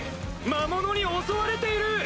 魔物に襲われている！